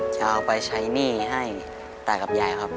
จะเอาไปใช้หนี้ให้ตากับยายครับ